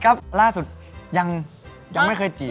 ก็ล่าสุดยังไม่เคยจีบ